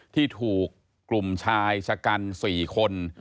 ที่ถูกกลุ่มชายชะกัน๔คน